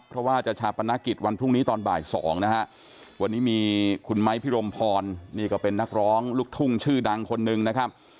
เพราะว่าจะชาปนกิจวันพรุ่งนี้ตอนบ่าย๒นะฮะวันนี้มีคุณไม้พิรมพรนี่ก็เป็นนักร้องลูกทุ่งชื่อดังคนหนึ่งนะครับ